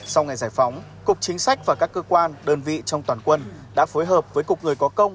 sau ngày giải phóng cục chính sách và các cơ quan đơn vị trong toàn quân đã phối hợp với cục người có công